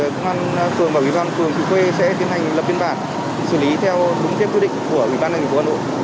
công an phường và ubnd phường thị khuê sẽ tiến hành lập biên bản xử lý theo đúng kiếp quyết định của ubnd ubnd